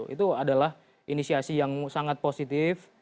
itu adalah inisiasi yang sangat positif